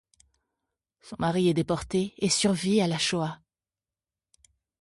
Son mari est déporté et survit à la Shoah.